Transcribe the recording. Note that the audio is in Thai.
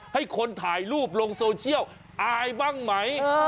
ให้คนถ่ายรูปลงโซเชียลอายบ้างไหม